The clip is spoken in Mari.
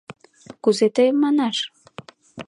Кузе тыйым манаш?..